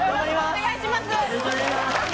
お願いします。